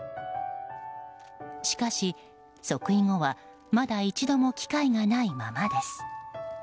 しかし、即位後はまだ一度も機会がないままです。